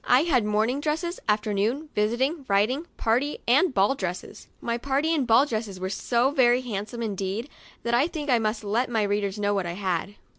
I had morning dresses, afternoon, visiting, riding, party and ball dresses. My party and ball dresses were so very handsome indeed, that I think I must let my readers know what I had.